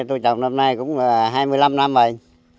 tôi trồng năm nay cũng là hai mươi năm năm rồi